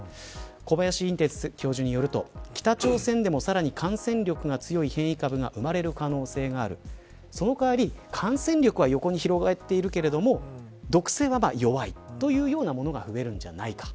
小林教授によると北朝鮮でもさらに感染力が強い変異株が生まれる可能性があるその代わり感染力は横に広がっているけれども毒性は弱いというようなものが増えるんじゃないか。